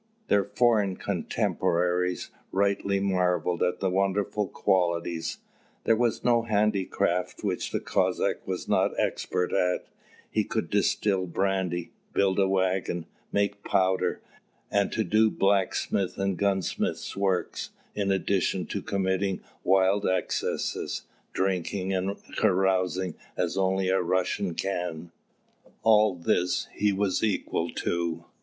Their foreign contemporaries rightly marvelled at their wonderful qualities. There was no handicraft which the Cossack was not expert at: he could distil brandy, build a waggon, make powder, and do blacksmith's and gunsmith's work, in addition to committing wild excesses, drinking and carousing as only a Russian can all this he was equal to.